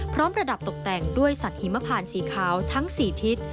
ประดับตกแต่งด้วยสัตว์หิมพานสีขาวทั้ง๔ทิศ